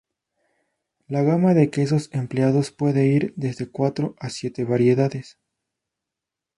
La gama de quesos empleados puede ir desde cuatro a siete variedades.